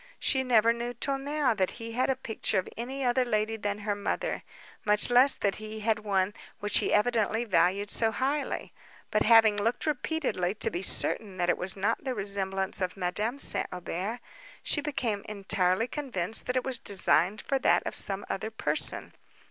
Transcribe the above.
She never knew till now that he had a picture of any other lady than her mother, much less that he had one which he evidently valued so highly; but having looked repeatedly, to be certain that it was not the resemblance of Madame St. Aubert, she became entirely convinced that it was designed for that of some other person.